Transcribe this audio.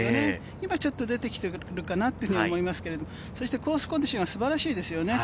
今ちょっと出てきてるかなって思いますけれども、コースコンディションが素晴らしいですね。